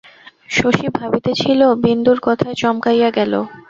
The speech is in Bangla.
শশী ভাবিতেছিল, বিন্দুর কথায় চমকাইয়া গেল।